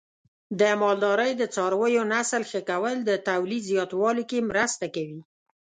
د مالدارۍ د څارویو نسل ښه کول د تولید زیاتوالي کې مرسته کوي.